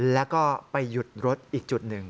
แล้วก็ไปหยุดรถอีกจุดหนึ่ง